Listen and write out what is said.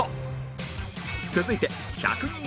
続いて１００人